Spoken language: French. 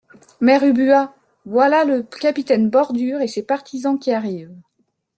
Mère Ubu Ah ! voilà le capitaine Bordure et ses partisans qui arrivent.